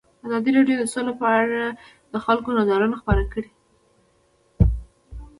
ازادي راډیو د سوله په اړه د خلکو نظرونه خپاره کړي.